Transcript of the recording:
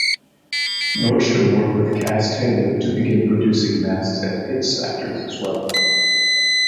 Nordstrom worked with Kaas Tailored to begin producing masks at its factories as well.